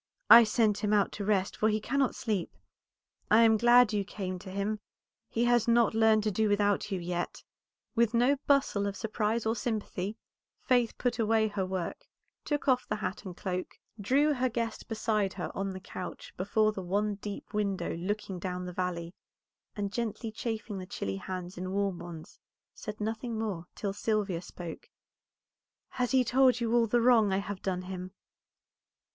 I sent him out to rest, for he cannot sleep. I am glad you came to him; he has not learned to do without you yet." With no bustle of surprise or sympathy Faith put away her work, took off the hat and cloak, drew her guest beside her on the couch before the one deep window looking down the valley, and gently chafing the chilly hands in warm ones, said nothing more till Sylvia spoke. "He has told you all the wrong I have done him?"